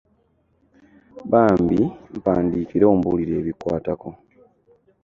Bambi mpandiikira ombuulire ebikukwatako.